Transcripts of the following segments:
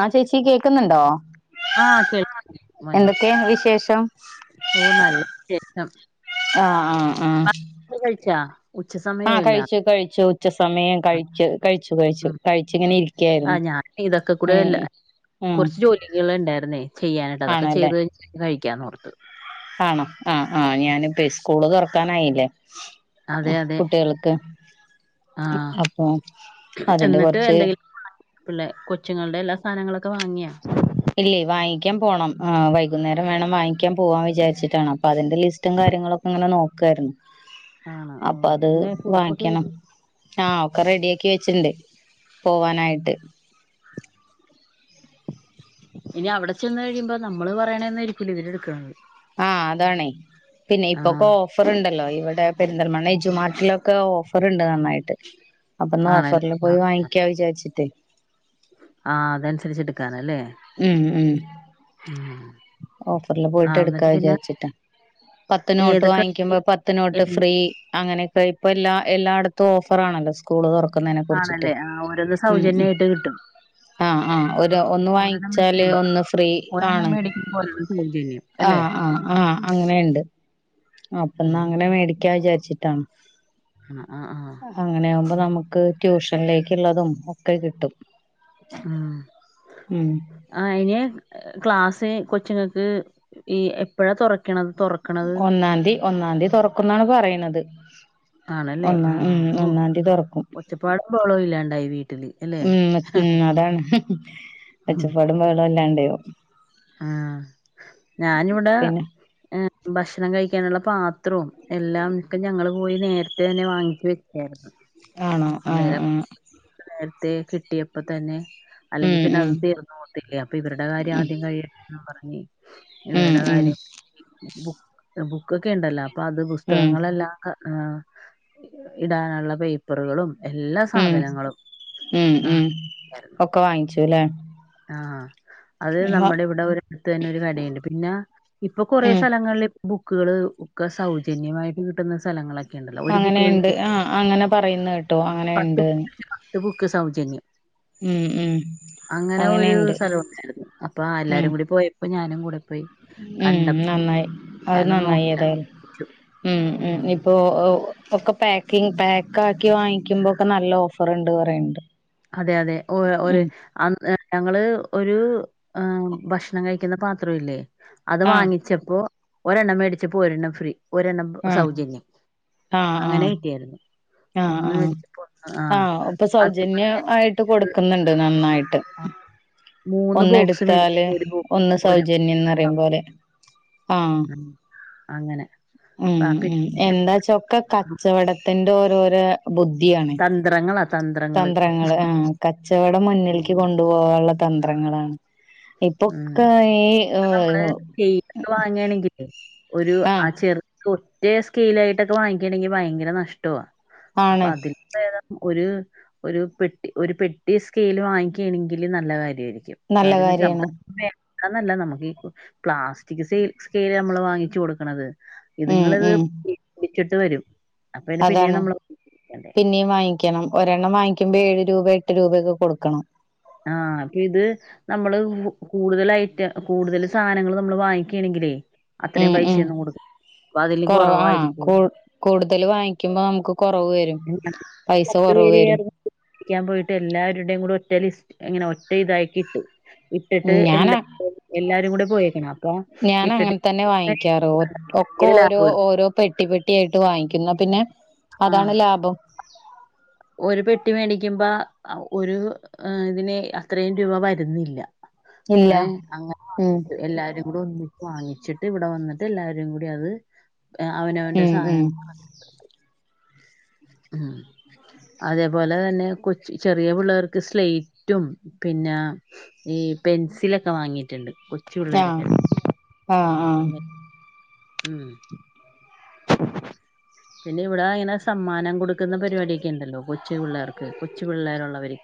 ആഹ് ചേച്ചി കേക്ക്ന്ന്ണ്ടോ ആഹ് ആഹ് കേൾക്ക കേക്ക് എന്തൊക്കെയ ങ്ങൾ വിശേഷം ഓഹ് നല്ല ശേ ഷം ആഹ് ആഹ് ആഹ് ഇപ്പ കഴിച്ചാ ഉച്ച ആഹ് സമയല്ല കഴിച്ചു കഴിച്ചു ഉച്ച സമയം കഴിച്ചു കഴിച്ചു കഴിച്ചു ഉം കഴിച്ച ഇങ്ങനെ ഇരിക്കായിരുന്നു ആഹ് ഞാൻ ഇതൊക്കെ കൂടെ എല്ല കുറച്ച് ജോലികൾ ഉണ്ടായിരുന്നേ ചെയ്യാനായിട്ട് അതൊക്കെ ആണല്ലേ ചെയ്ത് കഴിഞ്ഞ കഴിക്കാൻ ഓർത്ത് ആണോ ആഹ് ആഹ് ഞാനിപ്പ സ്കൂള് തറക്കാനായില്ലേ അതെ അതെ കുട്ടിൾക്ക് ആഹ് അപ്പൊ അതിന്റെ കുറച്ച് പിള്ളെ കൊച്ചുങ്ങളുടെ എല്ലാ സാധനങ്ങളൊക്കെ വാങ്ങിയാ ഇല്ലേ വാങ്ങിക്കാൻ പോകണം ആഹ് വൈകുന്നേരം വേണം വാങ്ങിക്കാൻ പോവാൻന്ന് വിചാരിച്ചിട്ടാണ് അപ്പ അപ്പ അതിന്റെ ലിസ്റ്റും കാര്യങ്ങളൊക്കെ അങ്ങനെ നോക്കുവായിരുന്നു ആണോ ഓ അപ്പൊ അത് എല്ലാ കുറിപ്പൊക്കെ വാങ്ങിക്കണം എഴുതി ആഹ് ഒക്കെ റെഡി ആക്കി വെച്ചിണ്ട് പോവാനായിട്ട് ഇനി അവടെ ചെന്ന് കഴിയുമ്പോ നമ്മള് പറയണന്നായിരിക്കൂല ഇവര് എടുക്കണത് ആഹ് അതാണേ പിന്നെ ഇപ്പൊ ആഹ് ക്കോ ഓഫർുണ്ടല്ലോ ഇവിടെ പെരിന്തൽമണ്ണ എജുമാട്ടിലൊക്കെ ഓഫർുണ്ട് നന്നായിട്ട് അപ്പൊന്ന് ആണല്ലേ ഓഫറിൽ പോയി വാങ്ങിക്കാ വിചാരിച്ചിട്ട് ആഹ് അതനുസരിച്ച് എടുക്കാനല്ലേ ഉം മം ഉം ഓഫർല് പോയിട്ട് ആഹ് എടുക്കാ എന്നിട്ട് പിന്നെ വിചാരിച്ചിട്ടാ പത്ത് നോട്ട് ഏതൊക്കെ വാങ്ങിക്കുമ്പോ പത്ത് നോട്ട് എന്ത് ഫ്രീ അങ്ങനെ ഇപ്പ എല്ലാ എല്ലായിടത്തും ഓഫറാണല്ലോ സ സ്കൂള് തുറക്കുന്നതിനെ കുറിച്ചിട്ട് ആണല്ലേ ആ ഓരോന്ന് ഉം ഉം സൗജന്യായിട്ട് കിട്ടും ആഹ് ആഹ് ഒര് ഒന്ന് ഒരെണ്ണം വാങ്ങിച്ചാ ലെ മേടിക്കുമ്പോ ഒന്ന് ഫ്രീ ഒരെണ്ണം ആണ് മേടിക്കുമ്പോ ഒരെണ്ണം സൗജന്യം അല്ലേ ആഹ് ആഹ് അ അങ്ങനെണ്ട് ഉം അപ്പാന്നാ അങ്ങനെ മേടിക്കാ വിചാരിച്ചിട്ടാണ് ആഹ് ആഹ് അപ്പൊ അങ്ങനെ ആകുമ്പോ നമുക്ക് ട്യൂഷനിലേക്കുള്ളതും ഒക്കെ കിട്ടും ആഹ് ഉം ആഹ അയിന് ക്ലാസ് കൊച്ച്ങ്ങക്ക് ഈ എപ്പോഴാ തൊറയ്ക്കണത് ഒന്നാംതി ഒന്നാംതി തുറക്കുന്നാണ് പറിണത് ആണല്ലേ ആഹ് ഹോ ഒച്ചപ്പാടും ബഹളോ ഇല്ലാണ്ടായി വീട്ടില് അല്ലേ ഉം ഉം അതാണ് ഹ് ഒച്ചപ്പാടും ബഹളും ല്ലാണ്ടോ ആഹ് ഞാനിവിടെ ഏ, [inaudible] ഭക്ഷണം കഴിക്കാനുള്ള പാത്രും എല്ലാം ക്ക ഞങ്ങള്ൾ പോയി നേരത്തെന്നെ വാങ്ങിച്ച വെക്കായിരുന്നു ആണോ ഏഹ് ഏഹ് നേരത്തെ കിട്ടിയപ്പ തന്നെ അല്ലെങ്കി ഉം പിന്നെ ഉം അത് തീർന്നോവത്തില്ലേ അപ്പൊ ഇവരുടെ കാര്യം ആദ്യം കഴിയണ്ടെന്ന് പറഞ്ഞ് ഉം ഇവരുടെ ഉം കാര്യം ബുക് ബുക്ക്ക്കെ ഇണ്ടല്ലോ പ്പ അത് ഉം പുസ്തകങ്ങളെല്ലാംഅഹ് ഇടാനുള്ള പേപ്പറുകളും എല്ലാം ഉം മം മം ഉണ്ടായിരുന്നു ഒക്കെ വാങ്ങിച്ചുല്ലേ ആഹ് അത് ഉം നമ്മുടെ ഇവിടെ ഒടുത്ത് തന്നെ ഒരു കടുണ്ട് പിന്നെ ഇപ്പൊ കൊറ സ്ഥല ങ്ങളിൽ ബുക്കുകൾ ഒക്കെ സൗജന്യമായിട്ട് കിട്ടുന്ന സ്ഥലങ്ങളൊ അങ്ങനെയിണ്ട് ആഹ് അങ്ങനെ പറയുന്നെ കേട്ടു അങ്ങനെയിണ്ട്ന്ന് ത്ത് ബുക്ക് സൗജന്യം ഉം അങ്ങനെ ഒരു അങ്ങനെയുണ്ട് സ്ഥലം ഉണ്ടായിരുന്നു അപ്പൊ എല്ലാ ഉം പോയപ്പോ ഞാനും കൂടെ പോയി ഉം കണ്ടപ്പോ നന്നായി അത് ഞാനൊന്നും നന്നായി നോക്കില്ല ഏതായാലും ച്‌ ഉം ഉം ഇപ്പോ. ഇപ്പൊ ഒക്കെ പാക്കിങ് പാക്ക് ആക്കി വാങ്ങിക്കുമ്പോക്കെ നല്ല ഓഫർണ്ട് പറയണ്ട്. അതെ അതെ ഓഹ് ഒരു ഉം അൻ എ ഞങ്ങള് ഒരു ഏഹ് ഭക്ഷണം കഴിക്കുന്ന പാത്രവില്ലേ അത് ആഹ് വാങ്ങിച്ചപ്പോ ഒരെണ്ണം മേടിച്ചപ്പോ ഒരെണ്ണം ഫ്രീ. ഒരെണ്ണം ആഹ് സൗജന്യം, ആഹ് അങ്ങനെ ആഹ് കിട്ടിയായിരുന്നു. ആഹ് ഒന്ന് ആഹ്, മേടിച്ചപ്പോ ഒന്ന് ആ ആഹ്. ഇപ്പൊ സൗജന്യം അതേപോലെ ആയിട്ട് ഒരു കൊടുക്കുന്നുണ്ട് നന്നായിട്ട്. മൂന്ന് ബോക്സ് ഒന്നെടുത്താല് മേടിച്ചപ്പോ ഒരു ബോക്സ് ഒന്ന് ഒരു സൗജന്യംന്നറിയും പോലെ. ആഹ് ഉം, അങ്ങനെ ഉം ആ, ഉം പിന്നെ എന്താച്ചോ ക്കെ കച്ചവടത്തിന്റെ ഓരോരോ ബുദ്ധിയാണ്. ന്ത്രങ്ങളാ തന്ത്രങ്ങള് ആഹ് കച്ചവടം ഉം മുന്നില്ൽക്ക് കൊണ്ടുപോവാനുള്ള തന്ത്രങ്ങളാണ്. ഉം. ഇപ്പൊക്ക ഈ നമ്മള് സ്കെയിലൊക്കെ [unintelligible] വാങ്ങാണെങ്കിലേ ഒരു ആ ആഹ് ചെറു ഒറ്റ സ്കെയിലായിട്ടൊക്കെ വാങ്ങിക്കണെങ്കി ഭയങ്കര നഷ്ടവാ. അപ്പൊ ആണ് അതില് പ്പ ഏദാ? ഒരു ഒരു പെട്ടി ഒരു പെട്ടി സ്കെയ്ൽ വാങ്ങിക്കുകയാണെങ്കിൽ നല്ല കാര്യായിരിക്കും. നല്ല കാര്യംന്ന് വെച്ചാ കാര്യാണ് നമക്ക് വേണ്ടന്നല്ല നമുക്ക് ഈ പ്ലാസ്റ്റിക് സൈ സ്കെയ്ൽ നമ്മള് വാങ്ങിച്ചു കൊടുക്കണത് ഉം ഇതുങ്ങളിത് ഉം ഇ ഇടിച്ചിട്ട് വരും. അപ്പൊ പിന്നെ പിന്നേം അതാണ്, നമ്മള് ണ്ടേ പിന്നെയും വാങ്ങിക്കണം ഒരെണ്ണം വാങ്ങിക്കുമ്പോ ഏഴ് രൂപ എട്ട് രൂപയൊക്കെ കൊടുക്കണം. ആഹ് അപ്പൊ ഇത്. നമ്മള് വൂ കൂടുതൽ ഐറ്റം കൂടുതൽ സാധനങ്ങള് നമ്മള് വാങ്ങിക്കാണെങ്കിലേ. അത്രയും ഉം ഉം പൈസയൊന്നും കൊടുക്കു കൊറവ് ആഹ് കൂ കൂടുതൽ വാങ്ങിക്കുമ്പോ നമുക്ക് കുറവ് വരും. പൈസ കൊറവ് വരും. രിക്കാൻ പോയിട്ട് എല്ലാവരുടേയും കൂടെ ഒറ്റ ലിസ്റ്റ് ഇങ്ങനെ ഒറ്റ ഇതായികിട്ട് ഇട്ടിട്ട് എല്ല ഞാനാ [inaudible] എല്ലാരും കൂടെ പോയേക്കണം. അപ്പൊ ഞാൻ ഇട്ടിട്ട് അങ്ങനെ തന്നെ വാങ്ങിക്കാറ്. ഒക്കെ ഭയങ്കര ഓരോ ലാഭമായിരുന്നു ഓരോ പെട്ടി പെട്ടി ആയിട്ട് വാങ്ങിക്കും ന്നാ പിന്നെ ആ അതാണ് ലാഭം. ഒരു പെട്ടി മേടിക്കുമ്പൊ അ ഒരു ഇതിന് അത്രയും രൂപ വരുന്നില്ല. ഇല്ല ഏഹ് അങ്ങനെ ഉം [inaudible] എല്ലാരും. കൂടെ ഒന്നിച്ച് വാങ്ങിച്ചിട്ട് ഇവിടെ വന്നിട്ട് എല്ലാരും കൂടി അത് അവനവന്റെ ഉം ഉം സാധനങ്ങ ഉം [inaudible] അതേപോലെ തന്നെ കൊച്ച് ചെറിയ പിള്ളേർക്ക് സ്ലെയ്റ്റും പിന്ന ഈ പെൻസിലൊക്കെ വാങ്ങിയിട്ട്ണ്ട് കൊച്ചു ആഹ് പിള്ളേരൊക്കെ ആഹ് അങ്ങന ഉം [inaudible] പിന്ന ഇവിട ഇങ്ങനെ സമ്മാനം കൊടുക്കുന്ന പരിപാടിയൊക്കെ ണ്ടല്ലോ കൊച്ചു പിള്ളാർക്ക് കൊച്ചു പിള്ളേരുള്ളവര്.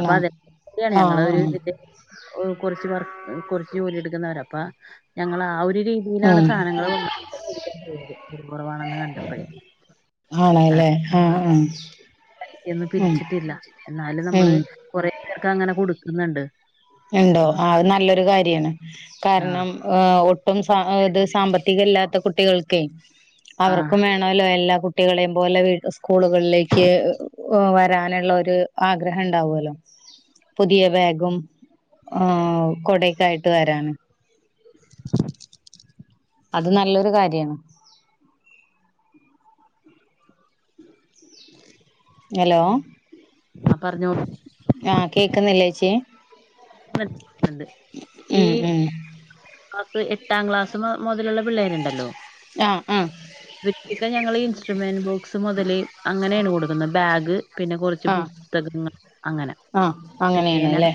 അപ്പൊ അതെ [inaudible] ആഹ് ഞങ്ങളൊരു ആഹ് ഇതിന്റെ കുറച്ച് വർ കുറച്ച് ജോലി എടുക്കുന്നവരാ അപ്പ ഞങ്ങൾ ആ ഒരു രീതി ഈലാണ് ഉം സാധനങ്ങള് [inaudible] പോവുന്നത്. ആളാല്ലേ, ആഹ് ആഹ്. [inaudible] ഒന്നും ഉം പിരിച്ചിട്ടില്ല. എന്നാലും നമ്മള് ഉം കുറ പേർക്ക് അങ്ങനെ കൊടുക്കുന്നുണ്ട്. ഉണ്ടോ? ആഹ് അത് നല്ലൊരു കാര്യാണ് ആഹ് കാരണം ഏഹ് ഒ ഒട്ടും സാ ത് സാമ്പത്തിക ഇല്ലാത്ത കുട്ടികൾക്കെ ആഹ് അവർക്കും വേണം. ല്ലോ എല്ലാ കുട്ടികളെയും പോലെ സ്കൂളുകളിലേക്ക് വരാനുള്ള ഒരു ആഗ്രഹംണ്ടാവുവല്ലോ പുതിയ ബാഗും.. ആ കൊടെക്കായിട്ട് വരാന്. അത് നല്ലൊരു കാര്യണ്. ഹലോ ആഹ് പറഞ്ഞോ. ആഹ് കേക്ക്ന്നില്ലേച്ചി. [inaudible] ഈ ഉം ഉം ക്ലാസ് എട്ടാം ക്ലാസ് മൊതലുള്ള പിള്ളേരുണ്ടല്ലോ ആഹ് ആഹ് ' [inaudible] 'ഞങ്ങള് ഇൻസ്ട്രുമെന്റ് ബോക്സ് മൊതല് അങ്ങനേണ് കൊടുക്കുന്നത് ബാഗ് പിന്നെ കൊറച്ച് ആഹ് പുസ്തകങ്ങള് അങ്ങന ആഹ് അങ്ങനെയാണ് പേന അല്ലേ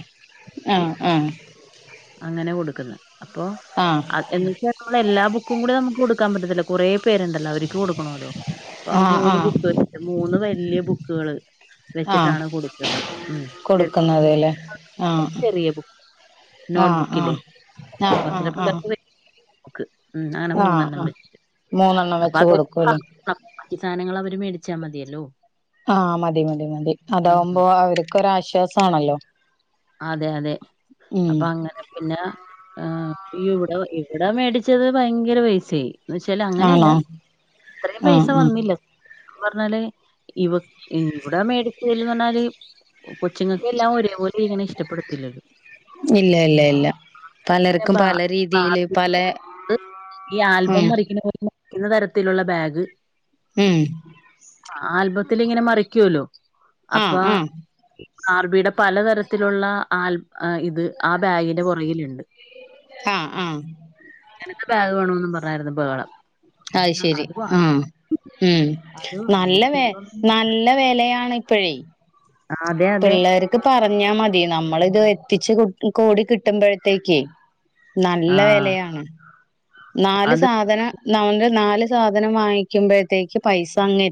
ആഹ് ആഹ് അങ്ങനെ കൊടുക്കുന്ന് അപ്പോ ആഹ് അ [unintelligible] നമ്മളെല്ലാ ബുക്കും കൂടെ നമ്മക്ക് കൊടുക്കാൻ പറ്റത്തില്ല, കൊറേ പേരുണ്ടല്ലോ അവരിക്ക് കൊടുക്കണോല്ലോ അപ്പം ആ ആഹ് മൂന്ന് ആഹ് ബുക്ക് മൂന്ന് വലിയ ബുക്കുകള് ആഹ് വെച്ചിട്ടാണ് കൊടുക്കുന്നത് ഉം. കൊടുക്കുന്നത് ലേ. ആഹ് ചെറിയ ബുക്ക് നോട്ട് ആഹ് ബുക്കില്ലേ ആഹ് ആഹ് ക്ലാസ്സിലെ ആഹ് ആഹ്. പിള്ളേർക്ക് ബുക്ക് ഉം അങ്ങനെ ആഹ് മൂന്നെണ്ണം ആഹ് വെച്ച് മൂന്നെണ്ണം വെച്ച് കൊടുക്കുവല്ലോ. ആഹ് [unintelligible] സാനങ്ങളവര് മേടിച്ചാ മതിയല്ലോ. ആഹ് മതി മതി മതി ഉം ഉം അതാവുമ്പോ അവര്ക്കൊരാശ്വാസവാണല്ലോ. അതെയതെ അപ്പങ്ങനെ പിന്നെ ആ ഈ ഉടെ ഇവിടെ മേടിച്ചത് ഭയങ്കര പൈസേയി. എന്ന് വച്ചല് അങ്ങനെയല്ല ആണോ ത്രേം പൈസ ആഹ് ആഹ് വന്നില്ല. പറഞ്ഞാല് ഇവ ഇവിടെ മേടിച്ചതിലന്നറഞ്ഞാല് കൊച്ചുങ്ങക്കെല്ലാം ഒരേപോലെ ഇരിക്കണ ഇഷ്ടപ്പെടത്തില്ലല്ലോ. ഇല്ല ല്ല ല്ല പിന്നെ പലര്ക്കും ബാ പല രീതീല് ബാർബി പലെ ഉം പിന്നെ'' [inaudible] ക്കിന്ന തരത്തിലുള്ള ബാഗ്. ഉം ആ ആൽബത്തിലിങ്ങനെ മറിക്കൂല്ലോ അപ്പ ആഹ് ആഹ് ഈ ആർ ബീടെ പലതരത്തിലൊള്ള ആൽബ് ഇത് ആ ബാഗിന്റെ പൊറകില്ണ്ട്. ഉം ഉം ഇങ്ങനത്തെ ബാഗ് വേണോന്ന് പറഞ്ഞാരുന്നു ബഹളം. അയ്ശരി അത് വാ ആഹ് ഉം അത് നല്ല വാങ്ങി വേ ചെറുതൊന്നും നല്ല വെലയാണ്. ഇപ്പഴേ ആ അതെ അതെ പിള്ളേർക്ക് ത് പറഞ്ഞാ മതി നമ്മളിത് എത്തിച്ച് കൂടി കിട്ടുമ്പഴത്തേക്ക് ആ നല്ല വെലയാണ് നാല് അത് സാധനം ന്നാത് നാല് സാധനം വാങ്ങിക്കുമ്പഴത്തേക്ക് പൈസാങ്ങ്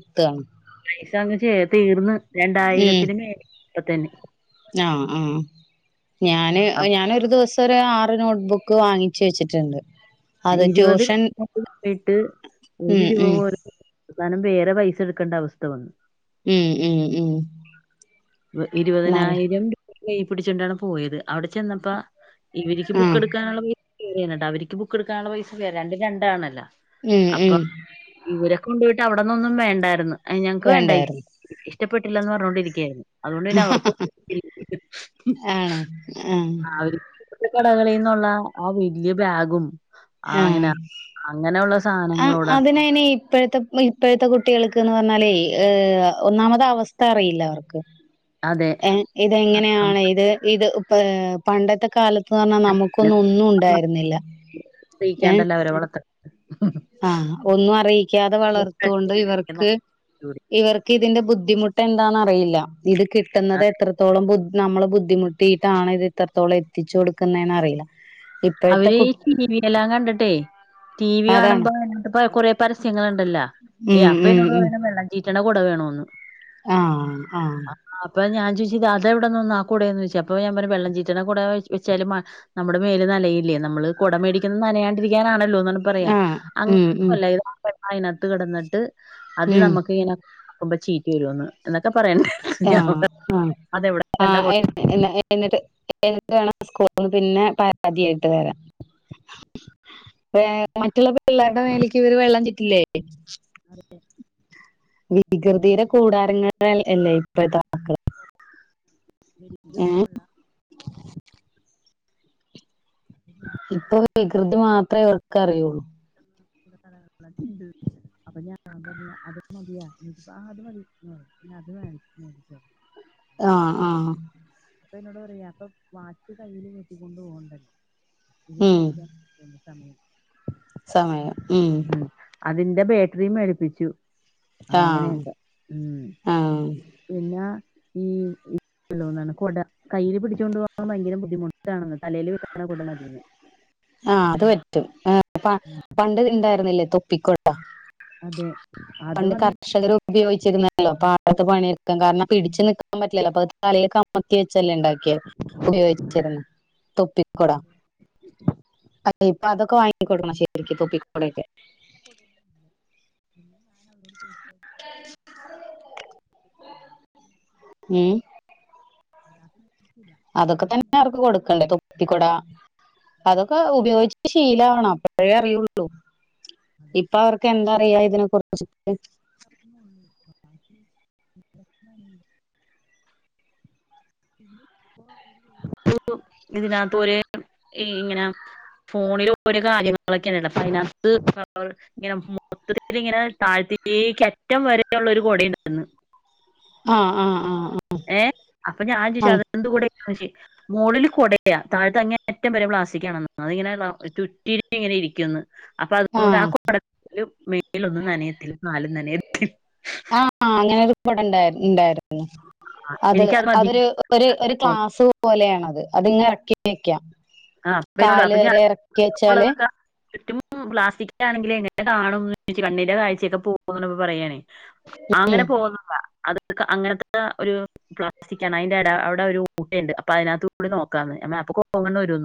പൈസാങ്ങ് ചേ തീർന്ന് ഉം രണ്ടായിരത്തിന് മേലെയായി ഇപ്പതന്നെ. ആഹ് ആഹ് ഞാന് അപ്പൊ ഞാനൊരു ദിവസം ഒരാറ് നോട്ട്ബുക്ക് വാങ്ങിച്ച് വെച്ചിട്ടുണ്ട്. അത് ഇരുപത് ട്യൂഷൻ ' [inaudible] 'യിട്ട് ഒരു ഉം രൂപ ഉം പോലും അവസാനം വേറെ പൈസ എടുക്കേണ്ട അവസ്ഥ വന്നു ഉം ഉം ഉം നല്ല ഇരുപതിനായിരം രൂപ കൈ പിടിച്ചോണ്ടാണ് പോയത് അവിടെ ചെന്നപ്പോ ഇവരിക്ക് ബുക്ക് ആഹ് എടുക്കാനുള്ള പൈസ വേണ്ട അവർക്ക് ബുക്ക് എടുക്കാനുള്ള പൈസ വേറെ രണ്ടും രണ്ടാണല്ലോ ഉം ഉം അപ്പോ ഇവരൊക്കെ കൊണ്ടു പോയിട്ട് അവിടന്ന് ഒന്നും വേണ്ടായിരുന്നു ഞങ്ങക്ക് വേണ്ട വേണ്ടായിരുന്നു ഇഷ്ടപ്പെട്ടില്ല എന്ന് പറഞ്ഞോണ്ടിരിക്കായിരുന്നു. അതുകൊണ്ട് തന്നെ അവർക്കും ' ആണോ [unintelligible] ആഹ് ഒരു ഈ കടകളിൽ നിന്നുള്ള ആഹ് വല്യയ ബാഗും ആ ആഹ് അങ്ങനെ അങ്ങനെയുള്ള ആഹ് സാധനങ്ങളോടാണ് അതിനെ അയിന് ഇപ്പോഴത്തെ ഇ ഇപ്പോഴത്തെ കുട്ടികൾക്കന്ന് പറഞ്ഞാലേ ഏഹ് ഒന്നാമത് അവസ്ഥ അറിയില്ല അവർക്ക്. അതെ ഇതെങ്ങനെയാണ് ഇത് ഇത് ഇപ്പ പണ്ടത്തെ കാലത്ത് പറഞ്ഞാൽ നമുക്ക് നമുക്ക് ഒന്നും ഉണ്ടായിരുന്നില്ല ക്കാണ്ടല്ല അവരെ വളത്ത് ആ ഹ് ഒന്നും അറിയിക്കാതെ വളർത്തുകൊണ്ട് ഇവർക്ക് ഇവർക്ക് ഇതിന്റെ ബുദ്ധിമുട്ട് എന്താന്നറിയില്ല ഇത് കിട്ടുന്നത് എത്രത്തോളം ബുദ്ധിമു നമ്മള് ബുദ്ധിമുട്ടിയിട്ടാണ് ഇത് ഇത്രത്തോളം എത്തിച്ചു കൊടുക്കുന്നേ അറിയില്ല ഇപ്പോഴത്തെ അവര് കു ടി വി എല്ലാം കണ്ടിട്ടെ ടി വി അതാണ് കാണുമ്പോ എന്ന കൊറേ പരസ്യങ്ങളുണ്ടല്ലോ ഏ ഉം അപ്പൊ ഉം എന്നോട് ഉം പറയണെ വെള്ളം ചീറ്റണ കുട വേണോന്ന് ആഹ് ആഹ് അപ്പൊ ഞാ ചോദിച്ച് അതെവിടെന്ന്ന്ന് ആ കൂടെന്ന് ചോദിച്ച അപ്പോ ഞാൻ പറ വെള്ളം ചീറ്റണ കുട വെച്ചാലും നമ്മുടെ മേല് നനയില്ലേ നമ്മള് കുട മേടിക്കുന്നത് നനയാണ്ടിരിക്കാനാണല്ലോ പറയാ ആഹ് ഉം ഉം അങ്ങനല്ല ഇ അതിനകത്ത് കിടന്നിട്ട് അത് ഉം നമുക്ക് ഇങ്ങനെക്കുമ്പോ ചീറ്റി വരുമെന്ന് എന്നൊക്കെ പറയണ്ട് ഞാൻ ആഹ് ആഹ് അതെവിടെ കണ്ട കൊ ആഹ് എന്നിട്ട് എന്നിട്ട് വേണം സ്കൂൾന്ന് പിന്നെ പരാതി ആയിട്ട് വരാൻ മറ്റുള്ള പിള്ളേരുടെ മേലക്ക് ഇവര് വെള്ളം ചീറ്റില്ലേ ആരുടെ വികൃതിയുടെ കൂടാരങ്ങളല്ലേ ഇപ്പത്തെ മക്കള് ഏ ഇപ്പൊ വികൃതി മാത്രേ അവർക്ക് അറിയുള്ളൂ [unintelligible] ലൊക്കെണ്ട് അപ്പൊ ഞാ പറഞ്ഞ അതുമതിയാ എനിപ്പ ആ അത് മതി പിന്നെ അത് മേടിച്ചോ ആഹ് ആഹ് അപ്പൊ എന്നോട് പറയാ അപ്പൊ വാച്ച് കൈയില് കെട്ടിക്കൊണ്ട് പോകണ്ടല്ലോ ഇതില് ഉം നോക്കിയ [unintelligible] സമയം സമയം ഉം അതിന്റെ ബാറ്ററിയും മേടിപ്പിച്ചു ആഹ് അങ്ങനെയൊക്കെ ഉം ആഹ് പിന്ന കൊട കയ്യിയില് പിടിച്ചോണ്ട് പോകൻ ഭയങ്കര ബുദ്ധിമുട്ടാണെന്ന് തലേല് വെക്കാൻ ക്കണ കൊട മതിന്ന്‌ ആഹ് അത് പറ്റും പണ്ട് ഇണ്ടായിരുന്നില്ലേ തൊപ്പിക്കൊട അതെ അത് പണ്ട് മതി കർ - കർഷകർ ഉപയോഗിച്ചിരുന്നല്ലോ പാടത്തു പണിയെടുക്കാൻ കാരണം പിടിച്ച് നിക്കാൻ പറ്റില്ലല്ലോ അപ്പൊ ത് തലയില് കമത്തി വെച്ചല്ലേ ഉണ്ടാക്കിയെ ഉപയോഗിച്ചത് തൊപ്പിക്കൊട അല്ലെ ഇപ്പൊ അതൊക്കെ വാങ്ങിക്കൊടുക്കണം ശരിക്ക് തൊപ്പിക്കൊടെയൊക്കെ [inaudible] ഉം ഉം ഉം [inaudible] അതൊക്കെ തന്നെ അവർക്ക് കൊടുക്കണ്ട് തൊപ്പിക്കൊട അതൊക്കെ ഉപയോഗിച്ച് ശീലാവണം അപ്പഴേ അറിയുള്ളൂ ഇപ്പവർക്ക് എന്തറിയാ ഇതിനെ കുറിച്ചിട്ട് [inaudible] [inaudible] [unintelligible] ഇതിനകത്ത് ഒരേ ഈ ഇങ്ങനാ ഫോണില് ഓരോ കാര്യങ്ങളൊക്കെയിണ്ടല്ല അപ്പ അയിനകത്ത് അവർ ഇങ്ങനെ മൊത്തത്തില് ഇങ്ങനെ താഴ്ത്തിക്ക അറ്റം വരള്ളരു കൊട ഉണ്ടായിരുന്നു ആഹ് ആഹ് ആഹ് ഏഹ് അപ്പൊ ഞാൻ ചോയ്ച്ചു അതെന്ത് കൊടെ ആണെന്ന് ചോയ്ച്ചു മോളില് കൊടയാ താഴ്ത്തെ അങ്ങേ അറ്റം വരെ പ്ലാസ്റ്റിക്കാണന്ന് അതിങ്ങനെ റൗ ചുറ്റി ചുറ്റിയിങ്ങനെ ഇരിക്കുന്ന് അപ്പൊ ആ അതുകൊണ്ട് ആഹ് കൊട രു മേലെന്നും നനയത്തില്ല നാലും നനയത്തില്ല. ആഹ് ആഹ് അങ്ങനെ ഒരു കൊടണ്ടാരു ഉണ്ടാരുന്നു അത് എനിക്കത് മതി അതൊരു ഒര് ഒര് ക്ലാസ് പോലെയാണത് അത് ഇങ്ങ് എറക്കി. ക്കിവെയ്ക്കാ ആഹ് അപ്പൊ എന്നോട് കാല് അപ്പൊ ഞാൻ വെരെ എറക്കി വെച്ചാല്. ഉള്ളതൊക്കെ ചുറ്റും പ്ലാസ്റ്റിക്കിലാണെങ്കിലേ എങ്ങനെ കാണും എന്ന് ചോദിച്ച് കണ്ണിന്റെ കാഴ്ചയെക്കെ പോകുന്നിപ്പ പറയാണേ. അങ്ങനെ പോന്നതാ അത് അങ്ങനെത്ത ഒരു പ്ലാസ്റ്റിക്കാണ് അതിന്റെ എട അവെടെ ഒരു ഓട്ടയൊണ്ട് അപ്പൊ അതിനാത്തൂടി നോക്കാന്ന് ഞമ്മ അപ്പ കോങ്കണ്ണ് വെരുന്നു [unintelligible]